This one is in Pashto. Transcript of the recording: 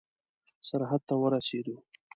سرحد ته ورسېدو.